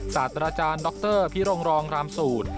ศาสตราจารย์ดรพิรงรองรามสูตร